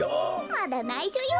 まだないしょよ。